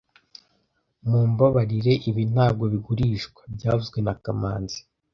Mumbabarire, ibi ntabwo bigurishwa byavuzwe na kamanzi